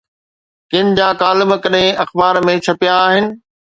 ڪن جا ڪالم ڪڏهن اخبار ۾ ڇپبا آهن.